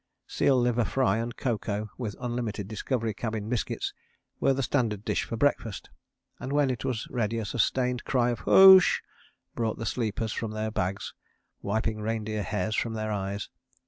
Seal liver fry and cocoa with unlimited Discovery Cabin biscuits were the standard dish for breakfast, and when it was ready a sustained cry of 'hoosh' brought the sleepers from their bags, wiping reindeer hairs from their eyes.